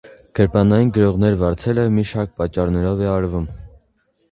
Գրպանային գրողներ վարձելը մի շարք պատճառներով է արվում։